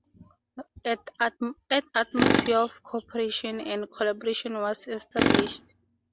An atmosphere of cooperation and collaboration was established.